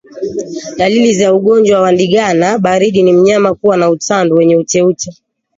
Dalili za ugonjwa wa ndigana baridi ni mnyama kuwa na utando wenye uteute